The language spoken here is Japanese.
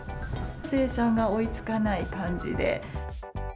生産が追いつかない感じで。